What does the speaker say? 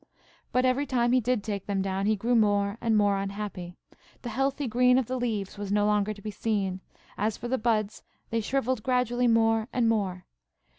But every time he did take them down, he grew more and more unhappy. The healthy green of the leaves was no longer to be seen; as for the buds, they shrivelled gradually more and more.